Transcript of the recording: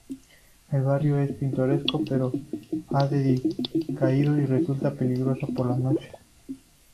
El barrio es pintoresco, pero ha decaído y resulta peligroso por las noches.